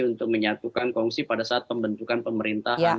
untuk menyatukan kongsi pada saat pembentukan pemerintahan